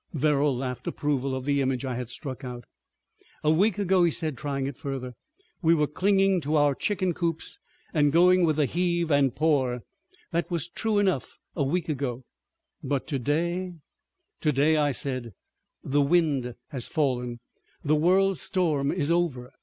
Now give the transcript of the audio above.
Verrall laughed approval of the image I had struck out. "A week ago," he said, trying it further, "we were clinging to our chicken coops and going with the heave and pour. That was true enough a week ago. But to day———?" "To day," I said, "the wind has fallen. The world storm is over.